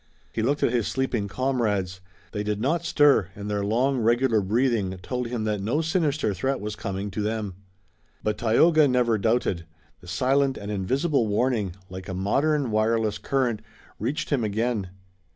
He looked at his sleeping comrades. They did not stir, and their long, regular breathing told him that no sinister threat was coming to them. But Tayoga never doubted. The silent and invisible warning, like a modern wireless current, reached him again.